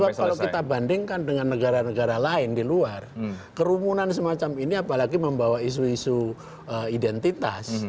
karena kalau kita bandingkan dengan negara negara lain di luar kerumunan semacam ini apalagi membawa isu isu identitas